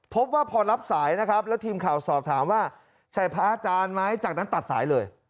พบว่าพอรับสายนะครับแล้วทีมข่าวสอบถามว่าใช่พระอาจารย์ไหมจากนั้นตัดสายเลย